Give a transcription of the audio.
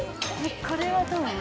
これはどう思う？